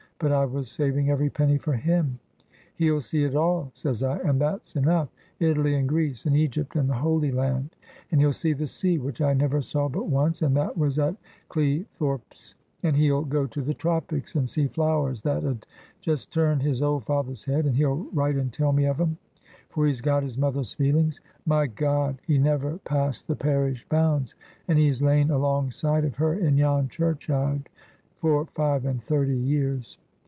But I was saving every penny for him. 'He'll see it all,' says I, 'and that's enough,—Italy and Greece, and Egypt, and the Holy Land. And he'll see the sea (which I never saw but once, and that was at Cleethorpes), and he'll go to the tropics, and see flowers that 'ud just turn his old father's head, and he'll write and tell me of 'em, for he's got his mother's feelings.' ... My GOD! He never passed the parish bounds, and he's lain alongside of her in yon churchyard for five and thirty years!"